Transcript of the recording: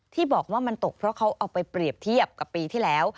ที่บอกว่ามันตกเพราะเขาเอาไปเปรียบเทียบกับปีที่แล้ว